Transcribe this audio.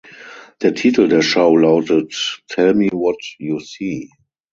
Der Titel der Schau lautet "Tell Me What You See".